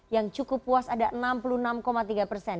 yang cukup puas ada enam puluh enam tiga persen